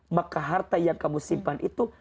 maka harta yang kamu simpan itu